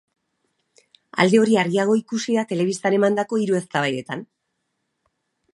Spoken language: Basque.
Alde hori argiago ikusi da da telebistan emandako hiru eztabaidetan.